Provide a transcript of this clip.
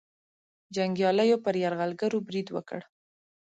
جنګیالیو پر یرغلګرو برید وکړ.